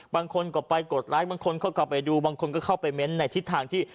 บางคนก็ไปกดไลค์บางคนเขาก็ไปดูบางคนก็เข้าไปเม้นต์ในทิศทางที่